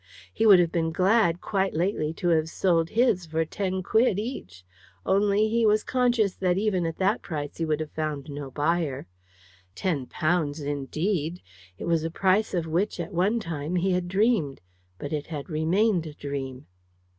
He would have been glad, quite lately, to have sold his for 10d each; only he was conscious that even at that price he would have found no buyer. £10 indeed! It was a price of which, at one time, he had dreamed but it had remained a dream.